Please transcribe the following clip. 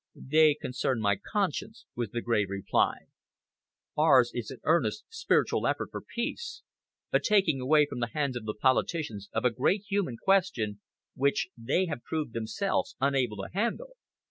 "They concern my conscience," was the grave reply. "Ours is an earnest spiritual effort for peace, a taking away from the hands of the politicians of a great human question which they have proved themselves unable to handle.